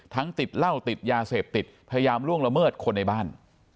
ติดเหล้าติดยาเสพติดพยายามล่วงละเมิดคนในบ้าน